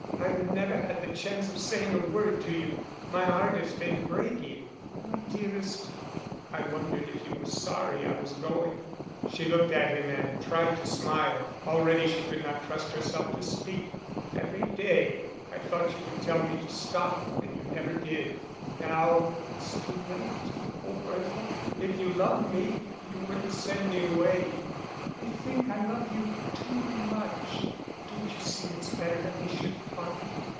I've never had the chance of saying a word to you. My heart has been breaking." "My dearest." "I wondered if you were sorry I was going." She looked at him and tried to smile; already she could not trust herself to speak. "Every day I thought you would tell me to stop and you never did and now it's too late. Oh, Bertha, if you loved me you wouldn't send me away." "I think I love you too much. Don't you see it's better that we should part?"